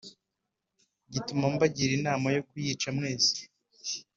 gituma mbagira inama yo kuyica mwese.”